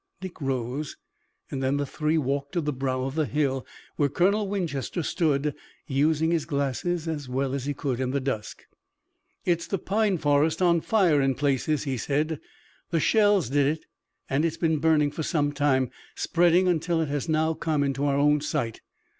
Dick rose and then the three walked to the brow of the hill, where Colonel Winchester stood, using his glasses as well as he could in the dusk. "It's the pine forest on fire in places," he said. "The shells did it, and it's been burning for some time, spreading until it has now come into our own sight."